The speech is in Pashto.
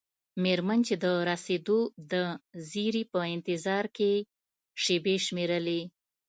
میرمن چې د رسیدو د زیري په انتظار کې شیبې شمیرلې.